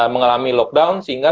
mengalami lockdown sehingga